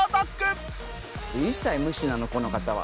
一切無視なのこの方は。